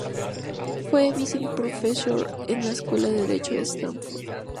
Fue "visiting professor" en la Escuela de Derecho de Stanford.